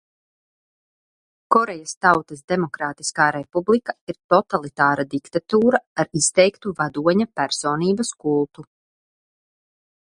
Korejas Tautas Demokrātiskā Republika ir totalitāra diktatūra ar izteiktu vadoņa personības kultu.